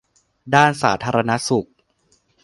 ด้านสาธารณสุข